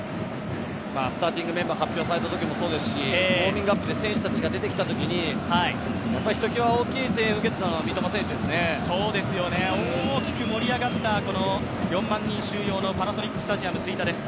スターティングメンバー発表されたときもそうですしウオーミングアップで選手が出てきたときにひときわ大きい声援を受けていたのは大きく盛り上がった４万人収容のパナソニックスタジアム吹田です。